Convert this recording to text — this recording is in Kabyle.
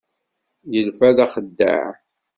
Yelfa-d d axeddaɛ.